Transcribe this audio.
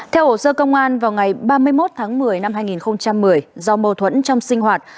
theo hồ sơ công an vào ngày ba mươi một tháng một mươi năm hai nghìn một mươi do mâu thuẫn trong sinh hoạt